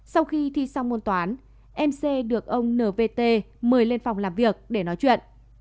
sau khi thi xong môn toán mc được ông nvt mời lên phòng làm việc để nói chuyện